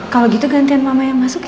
kalau gitu gantian mama yang masuk